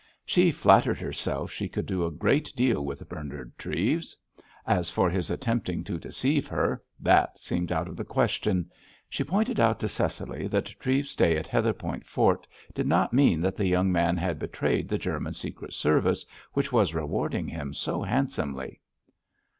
She flattered herself she could do a great deal with Bernard Treves. As for his attempting to deceive her, that seemed out of the question. She pointed out to Cecily that Treves's stay at Heatherpoint Fort did not mean that the young man had betrayed the German secret service, which was rewarding him so handsomely.